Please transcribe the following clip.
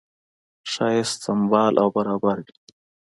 ښایست سمبال او برابر وي.